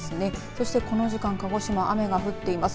そして、この時間鹿児島、雨が降っています。